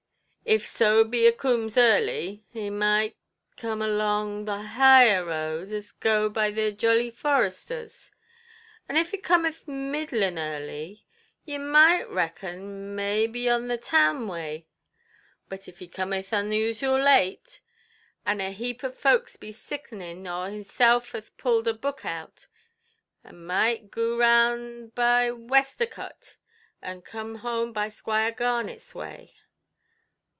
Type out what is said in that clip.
If so be a cooms arly, a maight come long of the haigher road as goes to the 'Jolly Foresters;' and if a comʼth middlin' arly, you maight rackon may be on the town wai; but if he cometh unoosial late, and a heap of folks be sickenin' or hisself hath pulled a book out, a maight goo round by Westacot, and come home by Squire Garnetʼs wai".